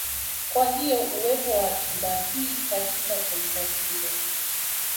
Kwa hiyo uwepo wa akiba hii katika taifa hilo